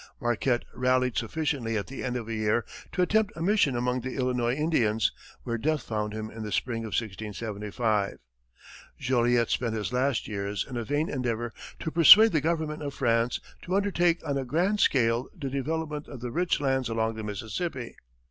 Marquette rallied sufficiently at the end of a year to attempt a mission among the Illinois Indians, where death found him in the spring of 1675. Joliet spent his last years in a vain endeavor to persuade the government of France to undertake on a grand scale the development of the rich lands along the Mississippi.